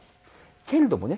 けれどもね